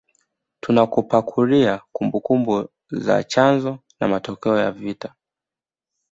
Tunakupakulia kumbukumbu za chanzo na matokeo ya vita